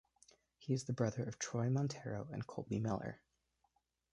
He is the brother of Troy Montero and Colby Miller.